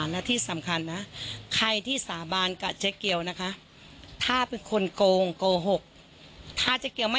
แล้วเจ๊เกี๊ยวถอนไหมอ่ะ